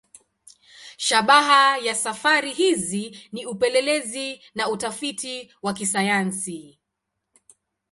Shabaha ya safari hizi ni upelelezi na utafiti wa kisayansi.